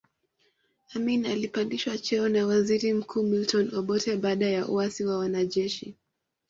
Amin alipandishwa cheo na waziri mkuu Milton Obote baada ya uasi wa wanajeshi